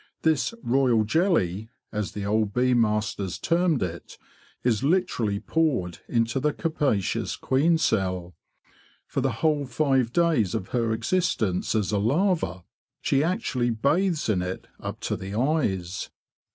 This 'royal jelly," as the old bee masters termed it, is literally poured into the capacious queen cell. For the whole five days of her existence as a larva she actually bathes in it up to the eyes.